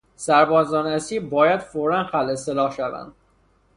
سربازان اسیر باید فورا خلع سلاح شوند.